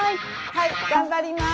はい頑張ります！